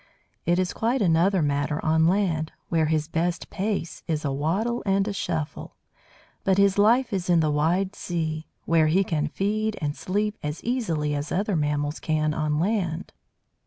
It is quite another matter on land, where his best pace is a waddle and a shuffle; but his life is in the wide sea, where he can feed and sleep as easily as other mammals can on land.